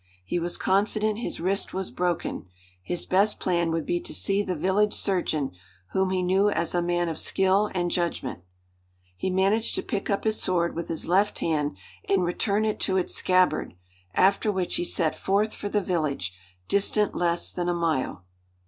He was confident his wrist was broken. His best plan would be to see the village surgeon, whom he knew as a man of skill and judgment. He managed to pick up his sword with his left hand and return it to its scabbard, after which he set forth for the village, distant less than a mile.